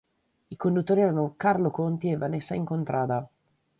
I conduttori erano Carlo Conti e Vanessa Incontrada.